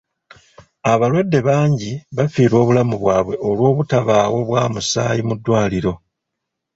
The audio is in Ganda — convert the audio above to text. Abalwadde bangi bafiirwa obulamu bwabwe olw'obutabaawo bwa musaayi mu ddwaliro.